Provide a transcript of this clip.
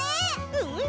うん！